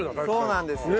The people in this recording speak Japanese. そうなんです。